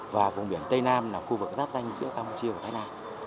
và vùng biển tây nam là khu vực giáp danh giữa campuchia và thái lan